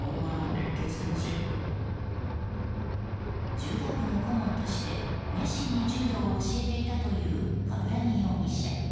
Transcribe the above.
柔道部の顧問として熱心に柔道を教えていたという鏑木容疑者。